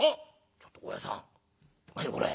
「ちょっと大家さん何これ。